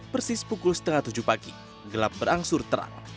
persis pukul setengah tujuh pagi gelap berangsur terang